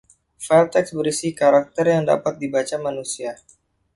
File teks berisi karakter yang dapat dibaca manusia.